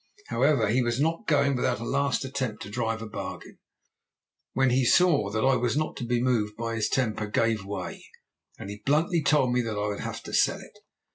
However, he was not going without a last attempt to drive a bargain. When he saw that I was not to be moved his temper gave way, and he bluntly told me that I would have to sell it.